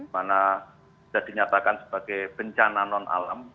mana sudah dinyatakan sebagai bencana non alam